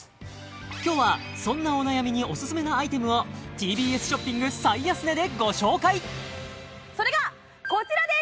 今日はそんなお悩みにオススメのアイテムをＴＢＳショッピング最安値でご紹介それがこちらです！